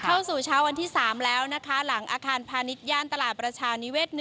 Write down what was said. เข้าสู่เช้าวันที่๓แล้วนะคะหลังอาคารพาณิชย่านตลาดประชานิเวศ๑